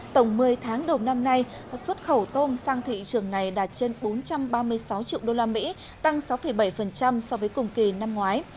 tổng một mươi tháng đầu năm nay xuất khẩu tôm sang thị trường này đạt trên bốn trăm ba mươi sáu triệu usd tăng sáu bảy so với cùng kỳ năm ngoái